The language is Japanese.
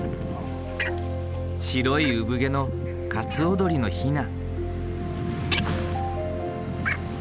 白い産毛のカツオドリのヒナ。